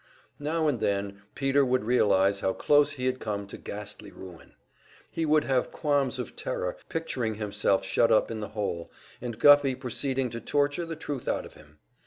Now and then Peter would realize how close he had come to ghastly ruin. He would have qualms of terror, picturing himself shut up in the hole, and Guffey proceeding to torture the truth out of him.